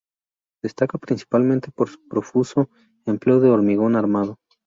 Destaca principalmente por su profuso empleo del hormigón armado.